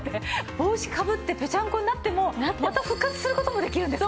帽子かぶってぺちゃんこになってもまた復活する事もできるんですか？